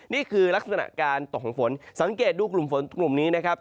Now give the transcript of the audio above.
นี่คือลักษณะการตกของฝนสังเกตดูกลุ่มฝนกลุ่มนี้นะครับ